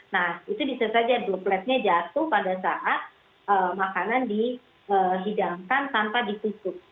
nah itu bisa saja dropletnya jatuh pada saat makanan dihidangkan tanpa ditutup